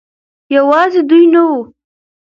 يوازې دوي نه وو